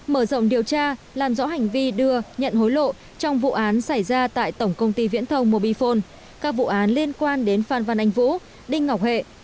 mở rộng điều tra làm rõ hành vi đưa nhận hối lộ trong vụ án xảy ra tại tổng công ty viễn thông mobifone các vụ án liên quan đến phan văn anh vũ đinh ngọc hệ